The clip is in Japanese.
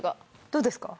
どうですか？